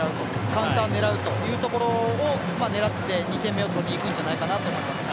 カウンターを狙うというところを狙って２点目を取りにいくんじゃないかなと思います。